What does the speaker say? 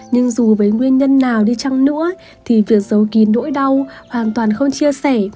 nhưng dù với nguyên nhân nào đi chăng nữa thì việc giấu kín nỗi đau hoàn toàn không chia sẻ